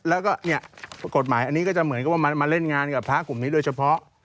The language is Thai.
แล้วก็กฎหมายอันนี้จะเหมือนมันมาเล่นงานกับพระภาพกลุ่มนี้ด้วยเฉพาะ